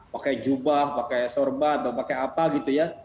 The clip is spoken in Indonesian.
pakai jubah pakai sorbat pakai apa gitu ya